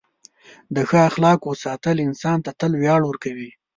د ښه اخلاقو ساتل انسان ته تل ویاړ ورکوي.